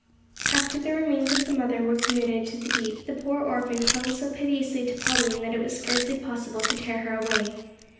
After the remains of the mother were committed to the deep, the poor orphan clung so piteously to Pauline that it was scarcely possible to tear her away.